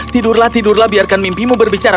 tidurlah tidurlah biarkan mimpimu berbicara